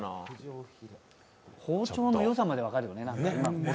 包丁のよさまで分かるよね。